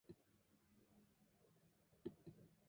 Sneha was also part of some episodes from Crime Patrol.